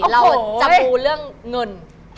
เราจะปูเรื่องเงิน